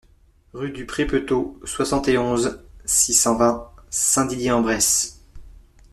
Rue du Pré Peutot, soixante et onze, six cent vingt Saint-Didier-en-Bresse